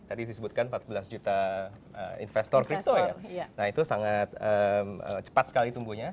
tadi disebutkan empat belas juta investor crypto ya nah itu sangat cepat sekali tumbuhnya